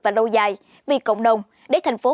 và lâu dài vì cộng đồng để thành phố